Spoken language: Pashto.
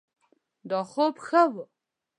دا خوب ښه ؤ